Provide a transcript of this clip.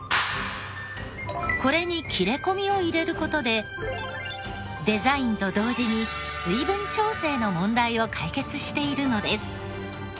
これに切れ込みを入れる事でデザインと同時に水分調整の問題を解決しているのです。